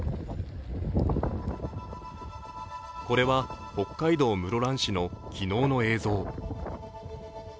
これは北海道室蘭市の昨日の映像。